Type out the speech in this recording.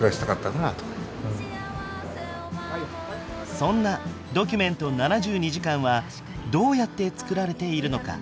そんな「ドキュメント７２時間」はどうやって作られているのか？